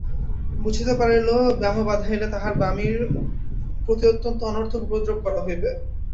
বুঝিতে পারিল ব্যামো বাধাইলে তাহার মামির প্রতি অত্যন্ত অনর্থক উপদ্রব করা হইবে।